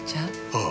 ああ。